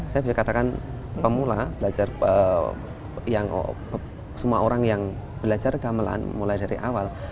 saya bisa katakan pemula belajar semua orang yang belajar gamelan mulai dari awal